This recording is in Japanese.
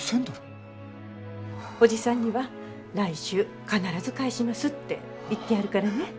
おじさんには来週必ず返しますって言ってあるからね。